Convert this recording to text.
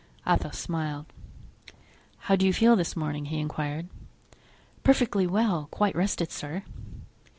Athos smiled. "How do you feel this morning?" he inquired. "Perfectly well; quite rested, sir."